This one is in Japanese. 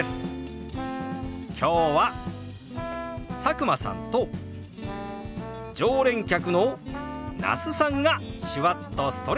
今日は佐久間さんと常連客の那須さんが手話っとストレッチ！